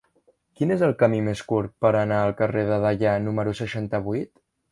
Quin és el camí més curt per anar al carrer de Deià número seixanta-vuit?